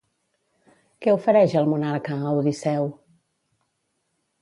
Què ofereix el monarca a Odisseu?